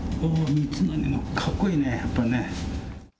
かっこいいね、やっぱりね。